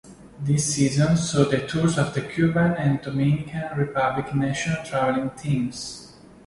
This season saw the tours of the Cuban and Dominican Republic National traveling teams.